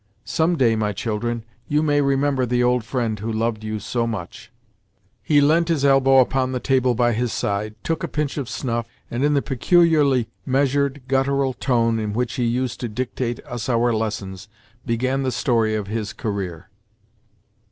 Some day, my children, you may remember the old friend who loved you so much—" He leant his elbow upon the table by his side, took a pinch of snuff, and, in the peculiarly measured, guttural tone in which he used to dictate us our lessons, began the story of his career.